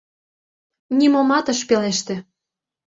Нимомат ыш пелеште.